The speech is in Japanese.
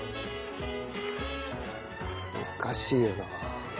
難しいよな。